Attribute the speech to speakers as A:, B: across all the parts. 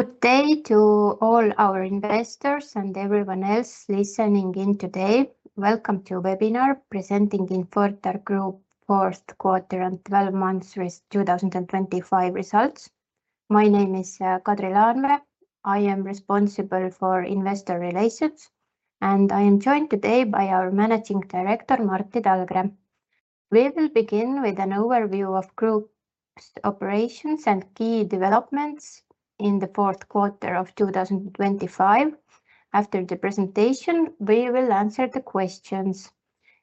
A: Good day to all our investors and everyone else listening in today. Welcome to webinar presenting AS Infortar fourth quarter and 12 months 2025 results. My name is Kadri Laanvee. I am responsible for investor relations. I am joined today by our Managing Director, Martti Talgre. We will begin with an overview of group operations and key developments in the fourth quarter of 2025. After the presentation, we will answer the questions.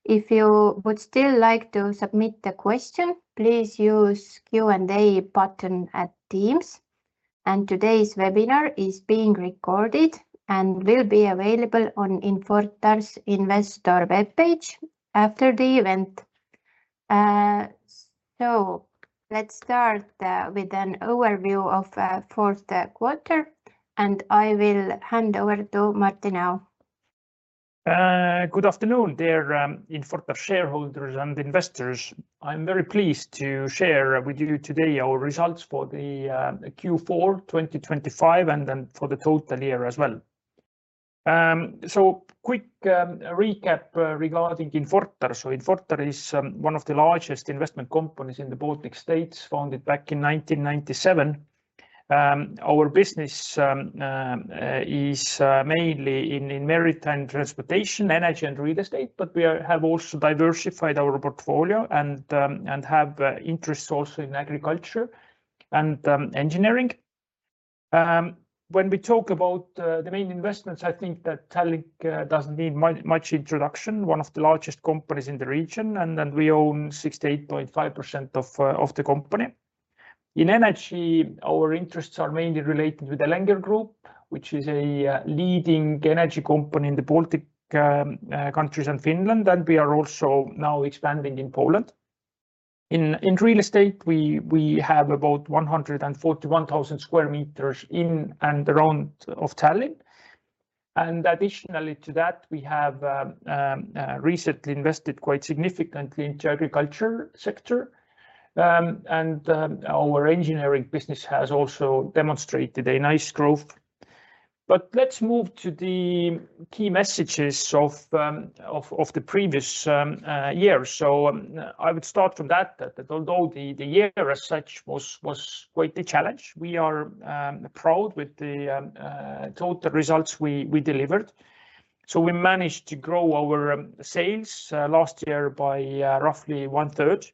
A: If you would still like to submit the question, please use Q&A button at Teams. Today's webinar is being recorded and will be available on Infortar's investor webpage after the event. Let's start with an overview of fourth quarter. I will hand over to Martti now.
B: Good afternoon, dear Infortar shareholders and investors. I'm very pleased to share with you today our results for the Q4 2025, and then for the total year as well. Quick recap regarding Infortar. Infortar is one of the largest investment companies in the Baltic States, founded back in 1997. Our business is mainly in maritime transportation, energy, and real estate, but we have also diversified our portfolio and have interests also in agriculture and engineering. When we talk about the main investments, I think that Tallink doesn't need much introduction, one of the largest companies in the region, and then we own 68.5% of the company. In energy, our interests are mainly related with Elenger Group, which is a leading energy company in the Baltic countries and Finland. We are also now expanding in Poland. In real estate, we have about 141,000 square meters in and around of Tallinn. Additionally to that, we have recently invested quite significantly into agriculture sector. Our engineering business has also demonstrated a nice growth. Let's move to the key messages of the previous year. I would start from that although the year as such was quite a challenge, we are proud with the total results we delivered. We managed to grow our sales last year by roughly 1/3.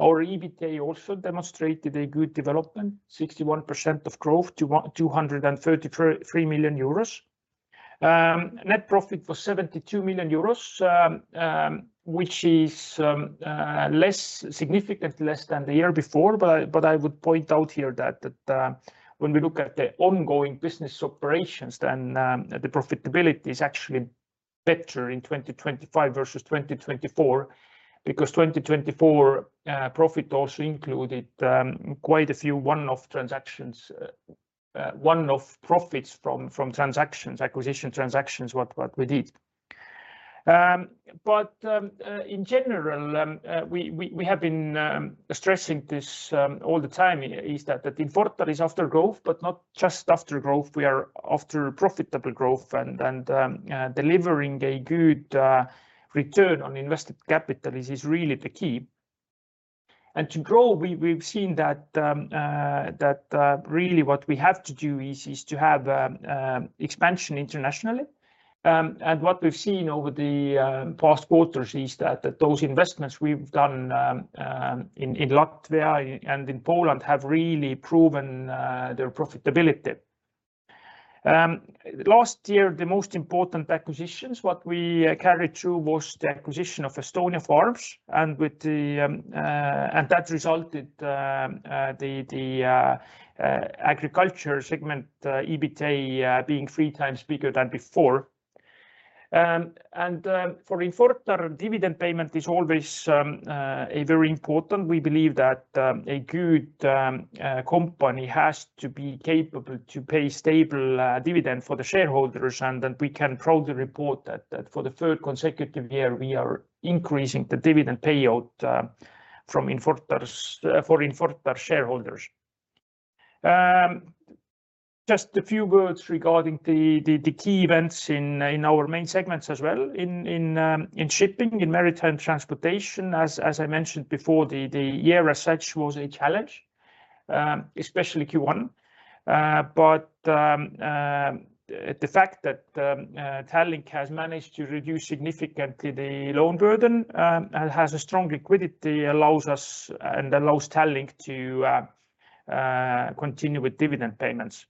B: Our EBITDA also demonstrated a good development, 61% of growth to 233 million euros. Net profit was 72 million euros, which is less, significantly less than the year before, but I would point out here that when we look at the ongoing business operations, then the profitability is actually better in 2025 versus 2024, because 2024 profit also included quite a few one-off transactions, one-off profits from transactions, acquisition transactions, what we did. In general, we have been stressing this all the time, is that Infortar is after growth, but not just after growth, we are after profitable growth and delivering a good return on invested capital is really the key. To grow, we've seen that really what we have to do is to have expansion internationally. What we've seen over the past quarters is that those investments we've done in Latvia and in Poland have really proven their profitability. Last year, the most important acquisitions, what we carried through was the acquisition of Estonia Farmd. That resulted the agriculture segment EBITA being three times bigger than before. For Infortar, dividend payment is always a very important. We believe that a good company has to be capable to pay stable dividend for the shareholders, and then we can proudly report that for the 3rd consecutive year, we are increasing the dividend payout from Infortar's for Infortar shareholders. Just a few words regarding the key events in our main segments as well. In shipping, in maritime transportation, as I mentioned before, the year as such was a challenge, especially Q1. The fact that Tallink has managed to reduce significantly the loan burden and has a strong liquidity, allows us, and allows Tallink to continue with dividend payments.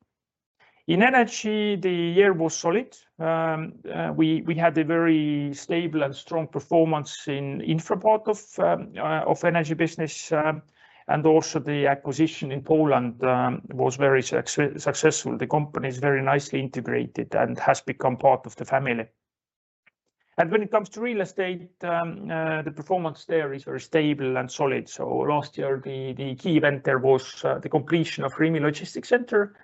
B: In energy, the year was solid. We had a very stable and strong performance in infra part of energy business, and also the acquisition in Poland was very successful. The company is very nicely integrated and has become part of the family. When it comes to real estate, the performance there is very stable and solid. Last year, the key event there was the completion of Rimi logistics centre,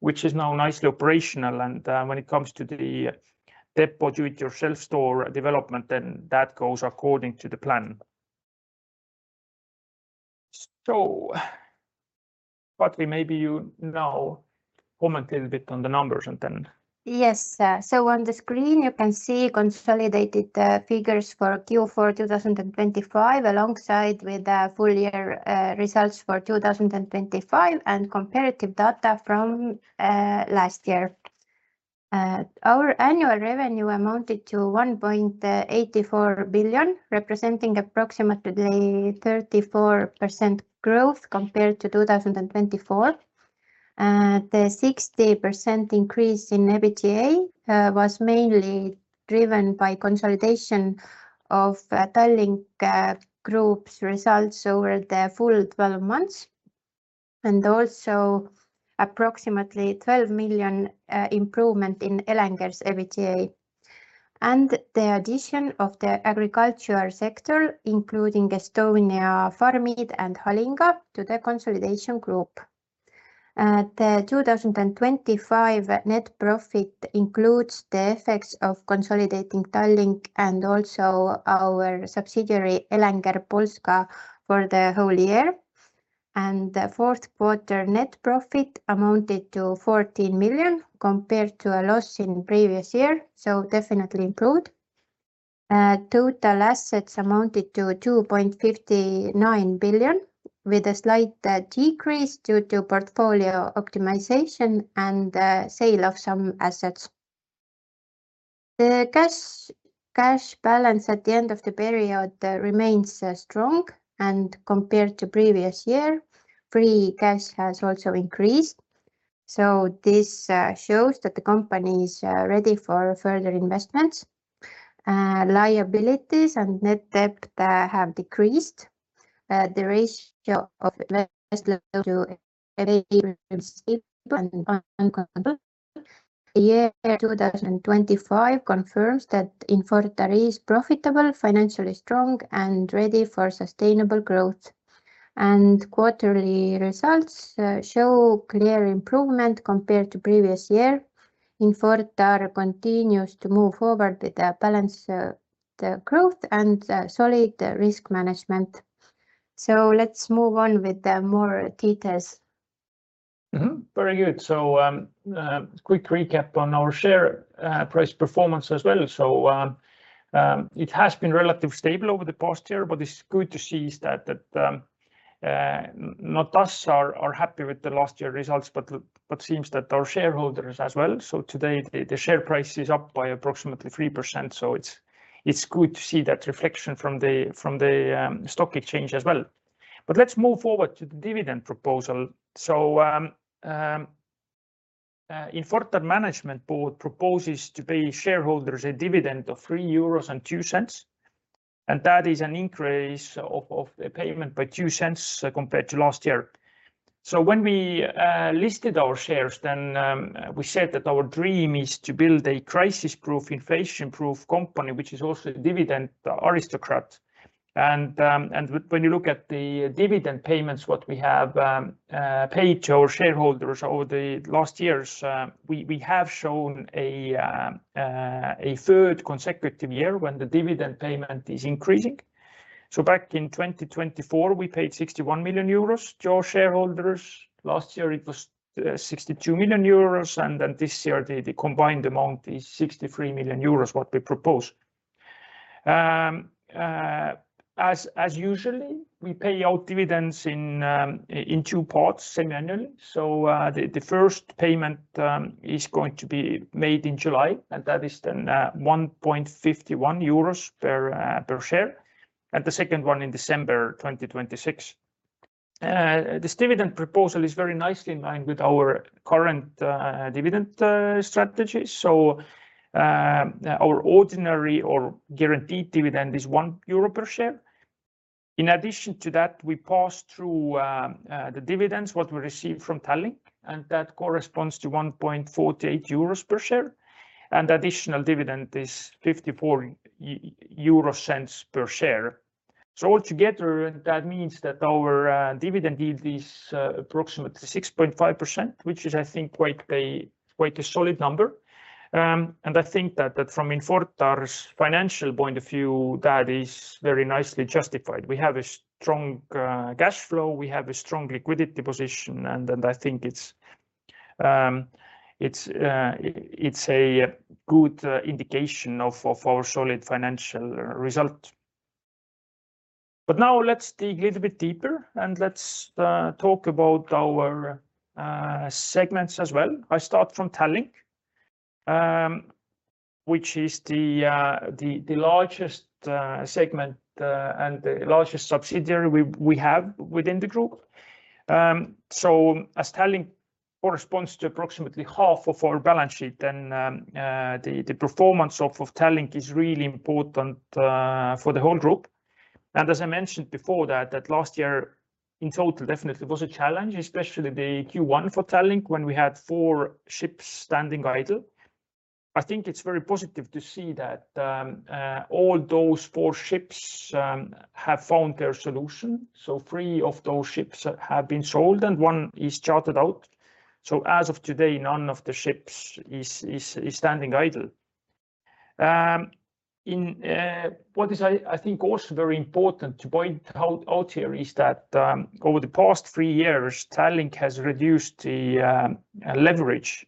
B: which is now nicely operational. When it comes to the DEPO Do It Yourself store development, that goes according to the plan. Kadri, maybe you now comment a little bit on the numbers and then.
A: Yes, on the screen you can see consolidated figures for Q4 2025, alongside with the full year results for 2025, and comparative data from last year. Our annual revenue amounted to 1.84 billion, representing approximately 34% growth compared to 2024. The 60% increase in EBITDA was mainly driven by consolidation of Tallink Group's results over the full 12 months, and also approximately 12 million improvement in Elenger's EBITDA. The addition of the agricultural sector, including Estonia Farmid and Halinga, to the consolidation group. The 2025 net profit includes the effects of consolidating Tallink and also our subsidiary, Elenger Polska, for the whole year. The fourth quarter net profit amounted to 14 million, compared to a loss in previous year. Definitely improved. Total assets amounted to 2.59 billion, with a slight decrease due to portfolio optimization and sale of some assets. The cash balance at the end of the period remains strong, and compared to previous year, free cash has also increased. This shows that the company is ready for further investments. Liabilities and net debt have decreased. The ratio of the year 2025 confirms that Infortar is profitable, financially strong, and ready for sustainable growth. Quarterly results show clear improvement compared to previous year. Infortar continues to move forward with the balanced growth and solid risk management. Let's move on with the more details.
B: Very good. Quick recap on our share price performance as well. It has been relatively stable over the past year, but it's good to see that not us are happy with the last year results, but seems that our shareholders as well. Today, the share price is up by approximately 3%, so it's good to see that reflection from the stock exchange as well. Let's move forward to the dividend proposal. Infortar management board proposes to pay shareholders a dividend of 3.02 euros, and that is an increase of the payment by 0.02 compared to last year. When we listed our shares, then we said that our dream is to build a crisis-proof, inflation-proof company, which is also a dividend aristocrat. When you look at the dividend payments, what we have paid to our shareholders over the last years, we have shown a third consecutive year when the dividend payment is increasing. Back in 2024, we paid 61 million euros to our shareholders. Last year, it was 62 million euros, this year, the combined amount is 63 million euros, what we propose. As usually, we pay out dividends in two parts, semiannually. The first payment is going to be made in July, and that is then 1.51 euros per share, and the second one in December 2026. This dividend proposal is very nicely in line with our current dividend strategy. Our ordinary or guaranteed dividend is 1 euro per share. In addition to that, we pass through the dividends, what we receive from Tallink, and that corresponds to 1.48 euros per share, and additional dividend is 0.54 per share. Altogether, that means that our dividend yield is approximately 6.5%, which is, I think, quite a solid number. I think that from Infortar's financial point of view, that is very nicely justified. We have a strong cash flow, we have a strong liquidity position, I think it's a good indication of our solid financial result. Let's dig a little bit deeper, let's talk about our segments as well. I start from Tallink, which is the largest segment and the largest subsidiary we have within the group. As Tallink corresponds to approximately half of our balance sheet, the performance of Tallink is really important for the whole group. As I mentioned before, that last year in total definitely was a challenge, especially the Q1 for Tallink, when we had four ships standing idle. I think it's very positive to see that all those four ships have found their solution. Three of those ships have been sold and one is chartered out. As of today, none of the ships is standing idle. In what is I think also very important to point out here is that over the past three years, Tallink has reduced the leverage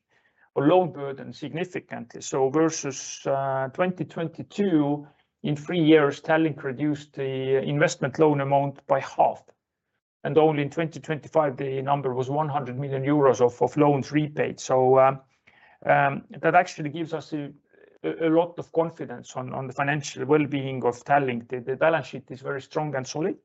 B: or loan burden significantly. Versus 2022, in three years, Tallink reduced the investment loan amount by half, and only in 2025 the number was 100 million euros of loans repaid. That actually gives us a lot of confidence on the financial wellbeing of Tallink. The balance sheet is very strong and solid,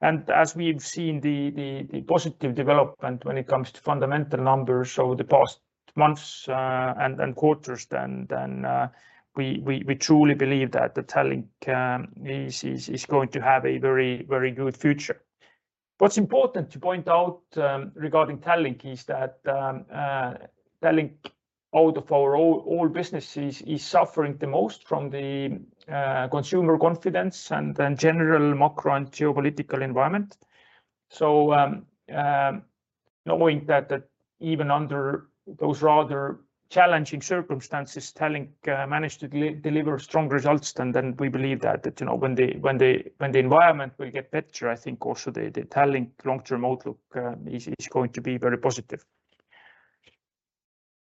B: and as we've seen the positive development when it comes to fundamental numbers over the past months, and quarters, then we truly believe that the Tallink is going to have a very, very good future. What's important to point out regarding Tallink is that Tallink, out of our all businesses, is suffering the most from the consumer confidence, and then general macro and geopolitical environment. Knowing that even under those rather challenging circumstances, Tallink managed to deliver strong results, and then we believe that, you know, when the environment will get better, I think also the Tallink long-term outlook is going to be very positive.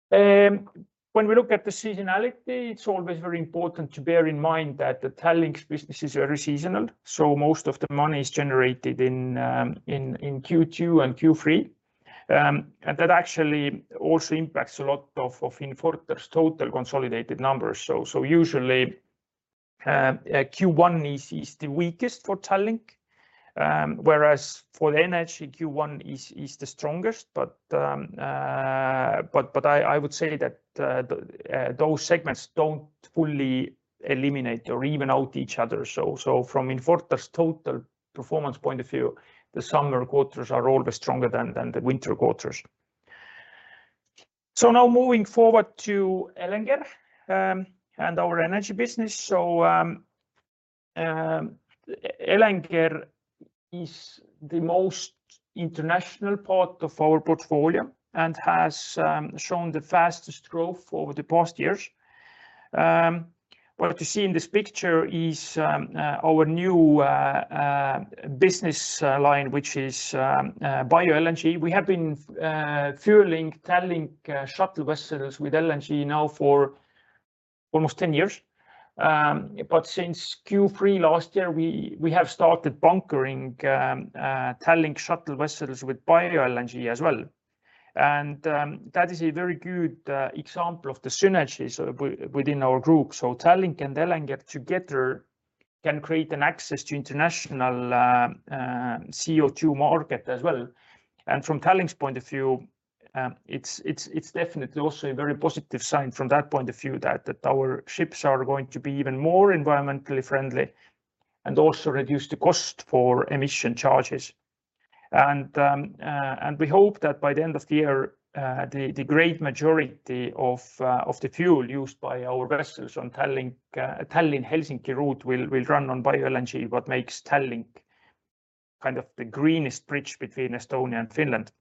B: When we look at the seasonality, it's always very important to bear in mind that the Tallink business is very seasonal, so most of the money is generated in Q2 and Q3. That actually also impacts a lot of Infortar's total consolidated numbers. Usually, Q1 is the weakest for Tallink, whereas for the energy, Q1 is the strongest. I would say that those segments don't fully eliminate or even out each other. From Infortar's total performance point of view, the summer quarters are always stronger than the winter quarters. Now moving forward to Elenger and our energy business. Elenger is the most international part of our portfolio and has shown the fastest growth over the past years. What you see in this picture is our new business line, which is bio-LNG. We have been fueling Tallink shuttle vessels with LNG now for almost 10 years. Since Q3 last year, we have started bunkering Tallink shuttle vessels with bio-LNG as well. That is a very good example of the synergies within our group. Tallink and Elenger together can create an access to international CO2 market as well. From Tallink's point of view, it's definitely also a very positive sign from that point of view, that our ships are going to be even more environmentally friendly and also reduce the cost for emission charges. We hope that by the end of the year, the great majority of the fuel used by our vessels on Tallink Helsinki route will run on Bio-LNG, what makes Tallink kind of the greenest bridge between Estonia and Finland.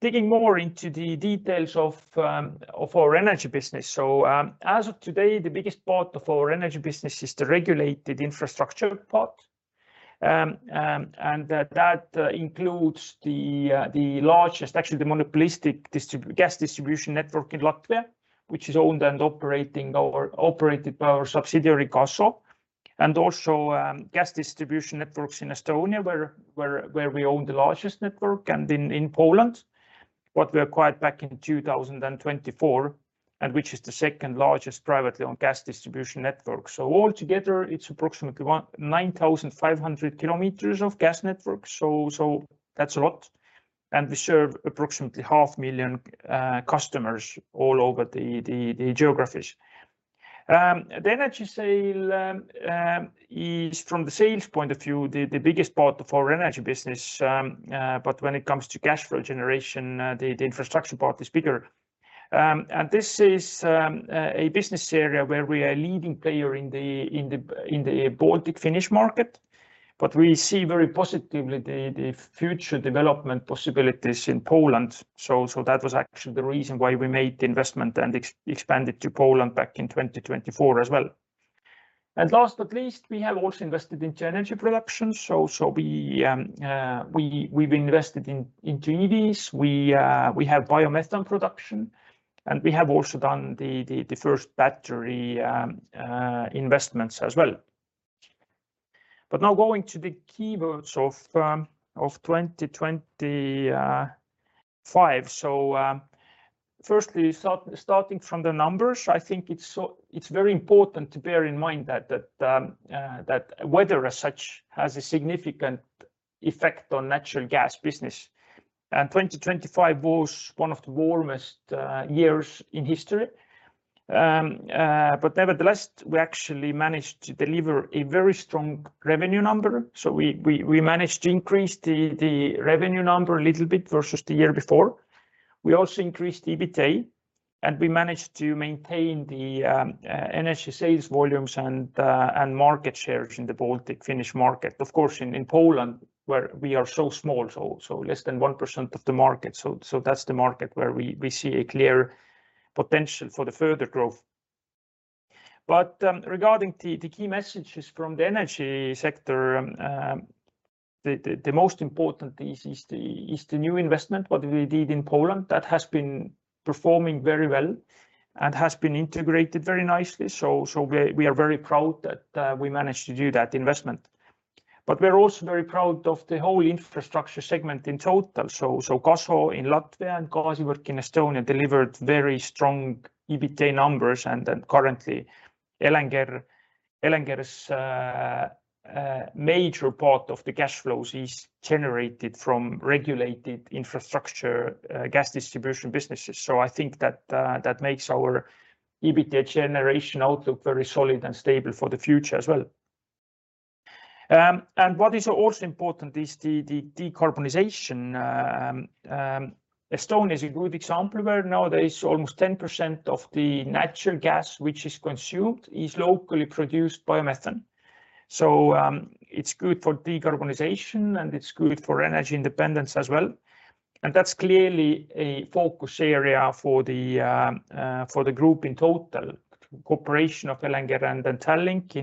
B: Digging more into the details of our energy business, as of today, the biggest part of our energy business is the regulated infrastructure part. That includes the largest, actually the monopolistic gas distribution network in Latvia, which is owned and operated by our subsidiary, Gaso. Also, gas distribution networks in Estonia, where we own the largest network, and in Poland, what we acquired back in 2024, and which is the second largest privately owned gas distribution network. Altogether, it's approximately 9,500 kilometers of gas network. That's a lot, and we serve approximately half million customers all over the geographies. The energy sale is from the sales point of view, the biggest part of our energy business, but when it comes to cash flow generation, the infrastructure part is bigger. And this is a business area where we are leading player in the Baltic Finnish market, but we see very positively the future development possibilities in Poland. That was actually the reason why we made the investment and expanded to Poland back in 2024 as well. Last but least, we have also invested in energy production. We've invested in units. We have biomethane production, and we have also done the first battery investments as well. Now going to the key words of 2025. Firstly, starting from the numbers, I think it's so. It's very important to bear in mind that weather as such has a significant effect on natural gas business, and 2025 was one of the warmest years in history. Nevertheless, we actually managed to deliver a very strong revenue number. We managed to increase the revenue number a little bit versus the year before. We also increased EBITDA, and we managed to maintain the NSG sales volumes and market shares in the Baltic Finnish market. Of course, in Poland, where we are so small, so less than 1% of the market, so that's the market where we see a clear potential for the further growth. Regarding the key messages from the energy sector, the most important is the new investment, what we did in Poland, that has been performing very well and has been integrated very nicely. We are very proud that we managed to do that investment. We're also very proud of the whole infrastructure segment in total. Gaso in Latvia and Gaasivõrk in Estonia delivered very strong EBITDA numbers. Currently, Elenger's major part of the cash flows is generated from regulated infrastructure gas distribution businesses. I think that makes our EBITDA generation outlook very solid and stable for the future as well. What is also important is the decarbonization. Estonia is a good example, where nowadays almost 10% of the natural gas which is consumed is locally produced biomethane. It's good for decarbonization, and it's good for energy independence as well, and that's clearly a focus area for the group in total. Cooperation of Elenger and Tallink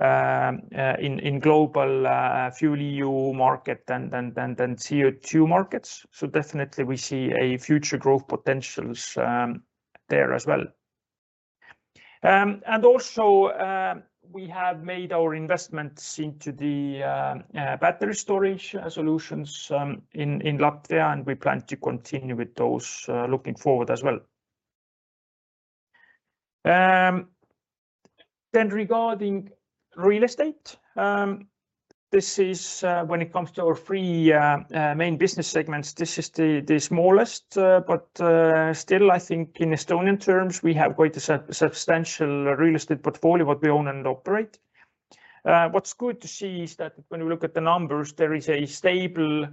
B: in global FuelEU Maritime and then CO2 markets. Definitely we see a future growth potentials there as well. Also, we have made our investments into the battery storage solutions in Latvia, and we plan to continue with those looking forward as well. Then regarding real estate, this is when it comes to our three main business segments, this is the smallest, but still, I think in Estonian terms, we have quite a substantial real estate portfolio, what we own and operate. What's good to see is that when we look at the numbers, there is a stable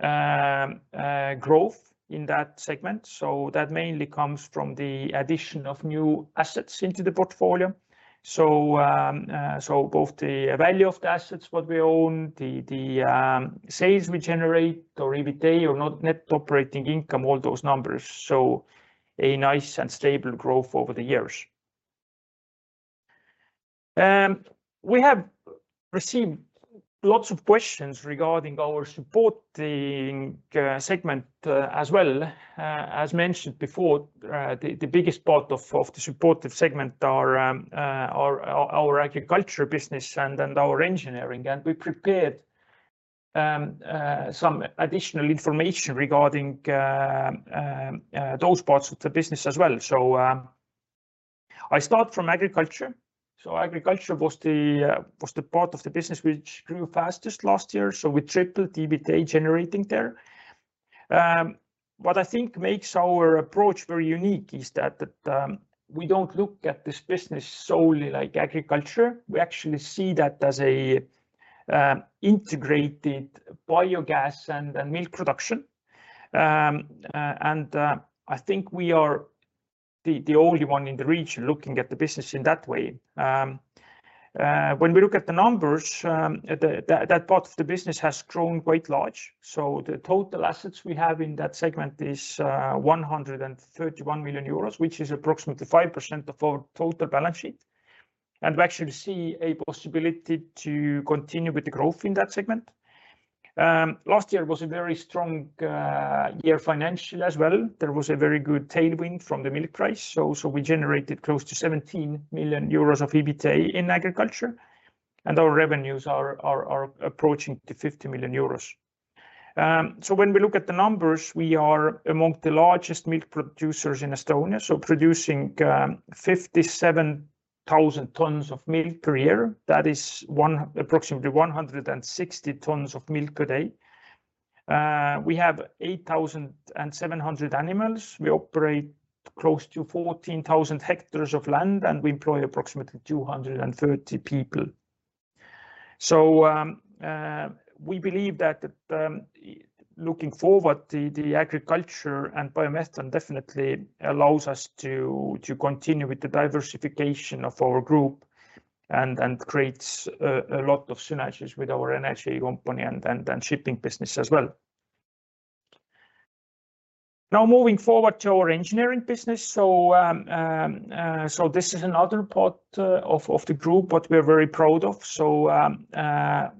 B: growth in that segment. That mainly comes from the addition of new assets into the portfolio. Both the value of the assets, what we own, sales we generate, or EBITDA or net operating income, all those numbers. A nice and stable growth over the years. We have received lots of questions regarding our supporting segment as well. As mentioned before, the biggest part of the supportive segment are our agriculture business and our engineering. We prepared some additional information regarding those parts of the business as well. I start from agriculture. Agriculture was the part of the business which grew fastest last year, we tripled EBITDA generating there. What I think makes our approach very unique is that we don't look at this business solely like agriculture. We actually see that as an integrated biogas and milk production. I think we are the only one in the region looking at the business in that way. When we look at the numbers, that part of the business has grown quite large. The total assets we have in that segment is 131 million euros, which is approximately 5% of our total balance sheet, and we actually see a possibility to continue with the growth in that segment. Last year was a very strong year, financially as well. There was a very good tailwind from the milk price, so we generated close to 17 million euros of EBITDA in agriculture, and our revenues are approaching the 50 million euros. When we look at the numbers, we are among the largest milk producers in Estonia, so producing 57,000 tons of milk per year. That is approximately 160 tons of milk per day. We have 8,700 animals. We operate close to 14,000 hectares of land, and we employ approximately 230 people. We believe that looking forward, the agriculture and biomethane definitely allows us to continue with the diversification of our group and creates a lot of synergies with our energy company and shipping business as well. Now, moving forward to our engineering business. This is another part of the group, what we are very proud of.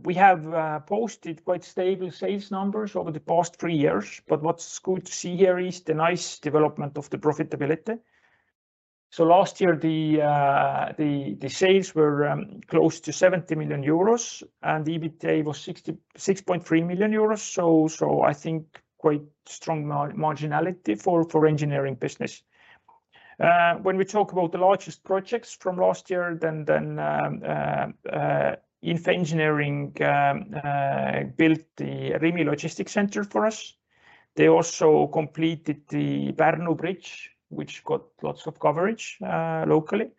B: We have posted quite stable sales numbers over the past three years, but what's good to see here is the nice development of the profitability. Last year, the sales were close to 70 million euros, and EBITDA was 66.3 million euros. I think quite strong marginality for engineering business. When we talk about the largest projects from last year, INF Engineering built the Rimi logistics centre for us. They also completed the Pärnu Bridge, which got lots of coverage locally.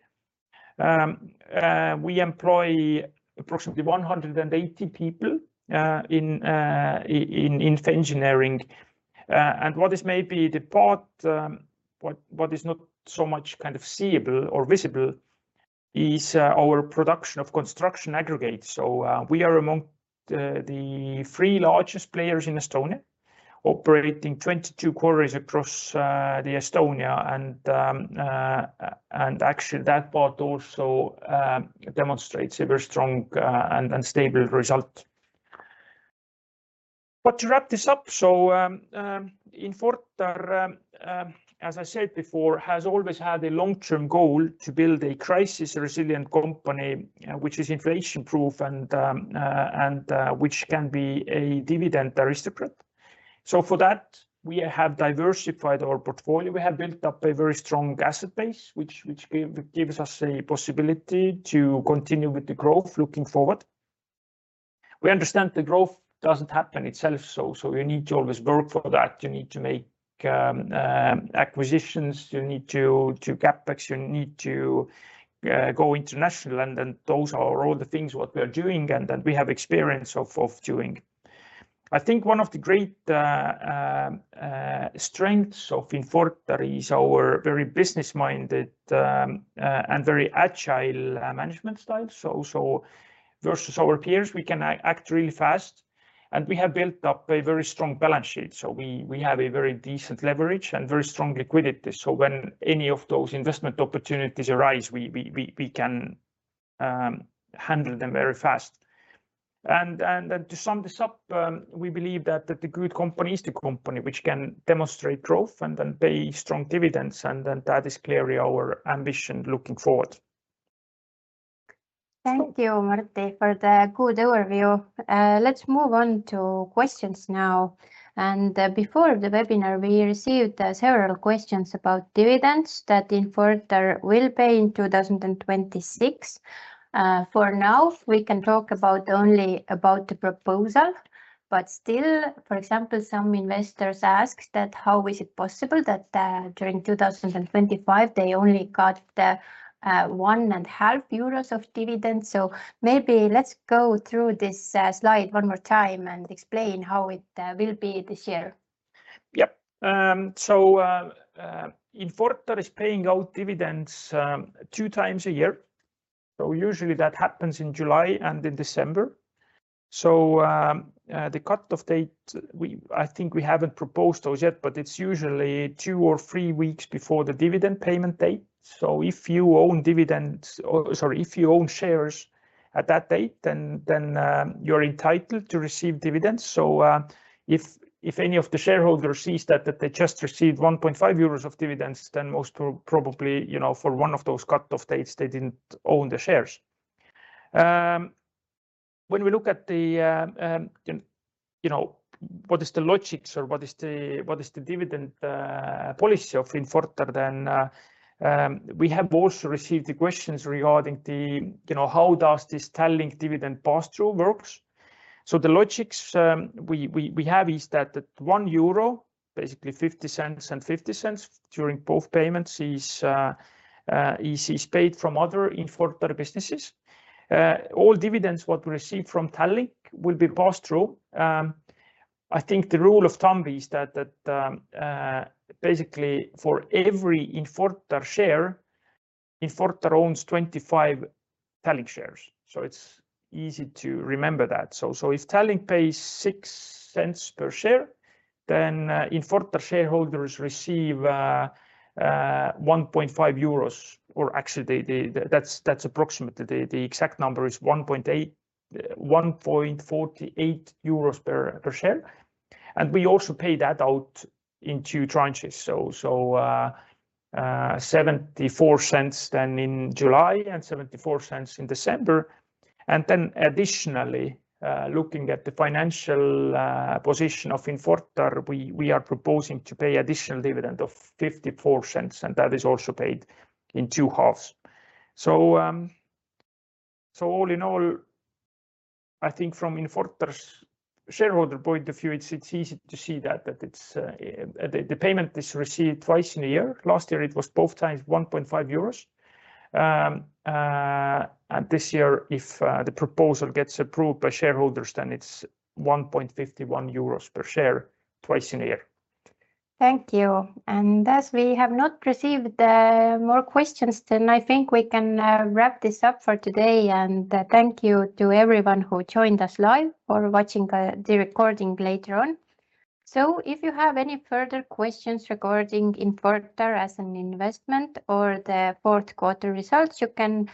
B: We employ approximately 180 people in INF Engineering. What is maybe the part what is not so much kind of seeable or visible is our production of construction aggregates. We are among the three largest players in Estonia, operating 22 quarries across Estonia. Actually that part also demonstrates a very strong and stable result. To wrap this up, Infortar, as I said before, has always had a long-term goal to build a crisis-resilient company, which is inflation-proof and, which can be a dividend aristocrat. For that, we have diversified our portfolio. We have built up a very strong asset base, which gives us a possibility to continue with the growth looking forward. We understand the growth doesn't happen itself, so you need to always work for that. You need to make acquisitions, you need to CapEx, you need to go international, and then those are all the things what we are doing and that we have experience of doing. I think one of the great strengths of Infortar is our very business-minded and very agile management style. versus our peers, we can act really fast. We have built up a very strong balance sheet. We have a very decent leverage and very strong liquidity, so when any of those investment opportunities arise, we can handle them very fast. To sum this up, we believe that the good company is the company which can demonstrate growth and then pay strong dividends, and then that is clearly our ambition looking forward.
A: Thank you, Martti, for the good overview. Let's move on to questions now. Before the webinar, we received several questions about dividends that Infortar will pay in 2026. For now, we can talk about only about the proposal, but still, for example, some investors ask that how is it possible that, during 2025, they only got the one and half euros of dividends? Maybe let's go through this slide one more time and explain how it will be this year.
B: Yep. Infortar is paying out dividends two times a year. Usually that happens in July and in December. The cut-off date, I think we haven't proposed those yet, but it's usually two or three weeks before the dividend payment date. If you own dividends or... Sorry, if you own shares at that date, then, you're entitled to receive dividends. If any of the shareholders sees that they just received 1.5 euros of dividends, then most probably, you know, for one of those cut-off dates, they didn't own the shares. When we look at the, you know, what is the logics or what is the, what is the dividend policy of Infortar, then we have also received the questions regarding the, you know, how does this Tallink dividend pass-through works? The logics we have is that the 1 euro, basically 0.50 and 0.50 during both payments, is paid from other Infortar businesses. All dividends what we receive from Tallink will be pass-through. I think the rule of thumb is that, basically for every Infortar share, Infortar owns 25 Tallink shares, so it's easy to remember that. If Tallink pays 0.06 per share, then Infortar shareholders receive 1.5 euros, or actually, that's approximately. The exact number is 1.8, 1.48 euros per share. We also pay that out in two tranches. So, 0.74 then in July and 0.74 in December. Additionally, looking at the financial position of Infortar, we are proposing to pay additional dividend of 0.54, and that is also paid in two halves. All in all, I think from Infortar's shareholder point of view, it's easy to see that it's the payment is received twice in a year. Last year it was both times 1.5 euros. This year, if the proposal gets approved by shareholders, then it's 1.51 euros per share twice in a year.
A: Thank you. As we have not received more questions, then I think we can wrap this up for today, and thank you to everyone who joined us live or watching the recording later on. If you have any further questions regarding Infortar as an investment or the fourth quarter results, you can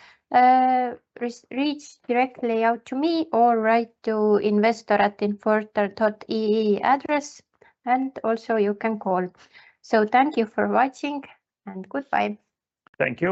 A: reach directly out to me or write to investor@infortar.ee address, and also you can call. Thank you for watching, and goodbye.
B: Thank you.